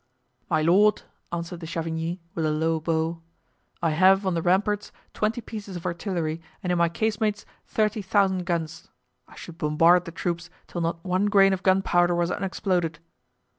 "My lord," answered De Chavigny, with a low bow, "I have on the ramparts twenty pieces of artillery and in my casemates thirty thousand guns. I should bombard the troops till not one grain of gunpowder was unexploded."